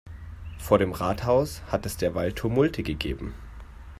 Vor dem Rathaus hat es derweil Tumulte gegeben.